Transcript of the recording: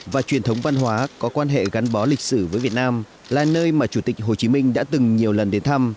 và truyền thống văn hóa có quan hệ gắn bó lịch sử với việt nam là nơi mà chủ tịch hồ chí minh đã từng nhiều lần đến thăm